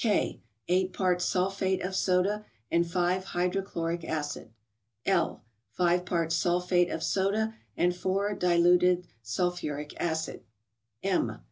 K. —Eight parts sulphate of soda, and 5 hydrochloric acid. L. —Five parts sulphate of soda, and 4 diluted sulphur¬ ic acid. M.